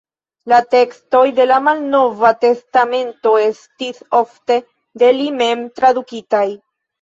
La tekstoj de la Malnova Testamento estis ofte de li mem tradukitaj.